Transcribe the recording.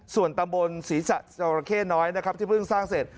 ส่วนตมบลสีศะฉระเข้น้อยที่เพิ่งสร้างเสร็จ